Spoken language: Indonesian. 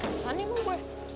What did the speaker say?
rusan nih gue